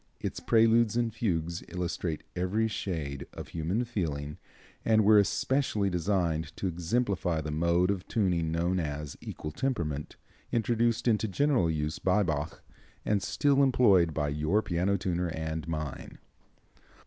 Its Preludes and Fugues illustrate every shade of human feeling, and were especially designed to exemplify the mode of tuning known as equal temperament, introduced into general use by Bach, and still employed by your piano tuner and mine.